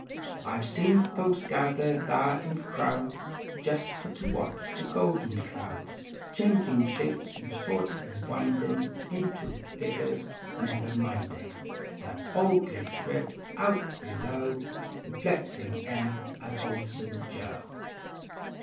I ve seen folks gether thare in crowds Jist fer to watch the golden clouds Changin shapes, and sort o windin Into figgers, never mindin That old lake spread out below, Reflectin em at Old St. Joe.